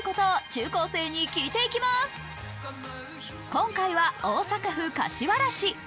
今回は大阪府柏原市。